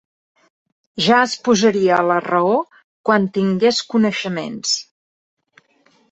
Ja es posaria a la raó quan tingués coneixements.